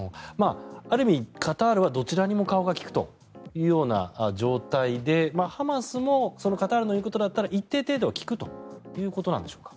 ある意味カタールはどちらにも顔が利くという状態でハマスもそのカタールの言うことだったら一定程度は聞くということなんでしょうか。